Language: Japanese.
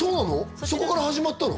そこから始まったの！？